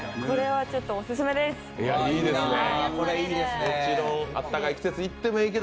これはちょっとオススメです。